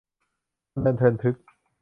พะเนินเทินทึก